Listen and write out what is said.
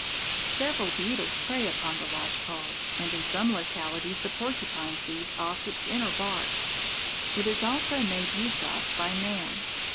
Several beetles prey upon the lodge pole, and in some localities the porcupine feeds off its inner bark. It is also made use of by man.